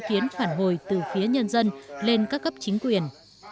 đây là hình thức để lắng nghe những ý kiến phản hồi từ phía nhân dân lên các cấp chính quyền